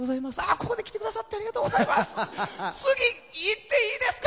ここで来てくださってありがとうございます次、いっていいですか！